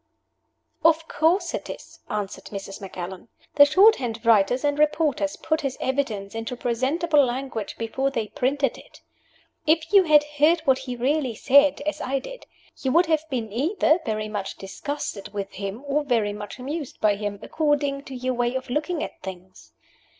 "Of course it is!" answered Mrs. Macallan. "The shorthand writers and reporters put his evidence into presentable language before they printed it. If you had heard what he really said, as I did, you would have been either very much disgusted with him or very much amused by him, according to your way of looking at things.